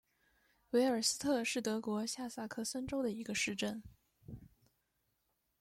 维尔斯特是德国下萨克森州的一个市镇。